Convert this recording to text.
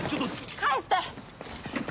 返して！